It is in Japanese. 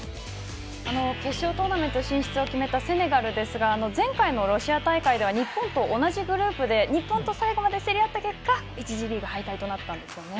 決勝トーナメント進出を決めたセネガルですが前回のロシア大会では日本と同じグループで日本と最後まで競り合った結果１次リーグ敗退となったんですよね。